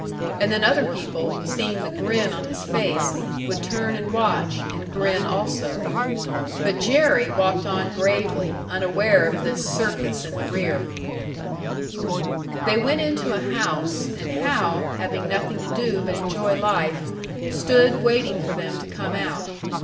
And then other people, seeing the grin on his face, would turn and watch, and grin also. But Jerry walked on gravely, unaware of this circus in the rear. They went into a house; and Hal, having nothing to do but enjoy life, stood waiting for them to come out.